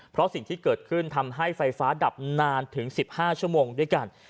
เพราะสิ่งที่เกิดขึ้นทำให้ไฟฟ้าดับนานถึง๑๕ชั่วโมงด้วยกัน